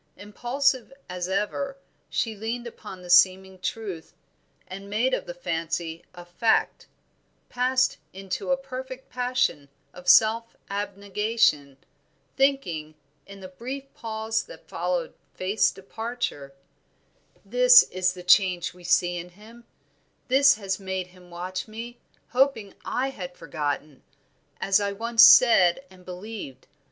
Impulsive as ever she leaned upon the seeming truth, and making of the fancy a fact, passed into a perfect passion of self abnegation, thinking, in the brief pause that followed Faith's departure "This is the change we see in him; this made him watch me, hoping I had forgotten, as I once said and believed.